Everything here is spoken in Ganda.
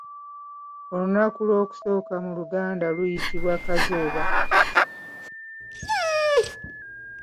Olunaku olw'okusooka mu luganda luyitibwa Kazooba.